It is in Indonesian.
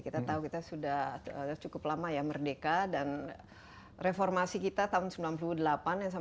kita tahu kita sudah cukup lama ya merdeka dan reformasi kita tahun seribu sembilan ratus sembilan puluh delapan